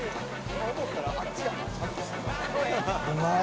うまい！